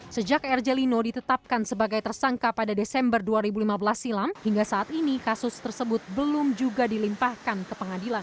sejak erjelino ditetapkan sebagai tersangka pada desember dua ribu lima belas silam hingga saat ini kasus tersebut belum juga dilimpahkan ke pengadilan